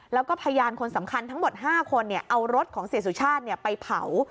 แล้วก็พยานคนสำคัญทั้งหมด๕คนเอารถของเสียสุชาติไปเผา